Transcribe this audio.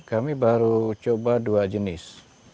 kami baru coba dua jenis